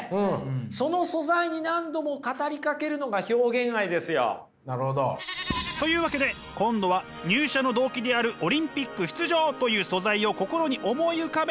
その素材に何度も語りかけるのが表現愛ですよ。というわけで今度は入社の動機であるオリンピック出場という素材を心に思い浮かべ。